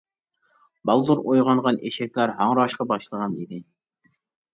بالدۇر ئويغانغان ئېشەكلەر ھاڭراشقا باشلىغان ئىدى.